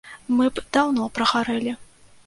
Мы б даўно прагарэлі.